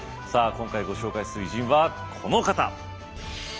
今回ご紹介する偉人はこの方。